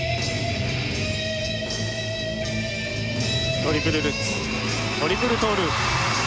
トリプルルッツトリプルトーループ。